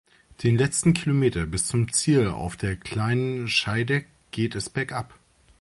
Den letzten Kilometer bis zum Ziel auf der Kleinen Scheidegg geht es bergab.